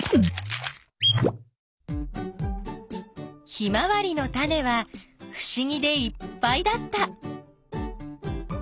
ヒマワリのタネはふしぎでいっぱいだった。